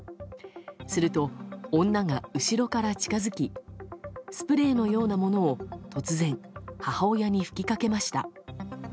すると、女が後ろから近づきスプレーのようなものを突然、母親に吹きかけました。